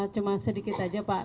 cuma sedikit saja pak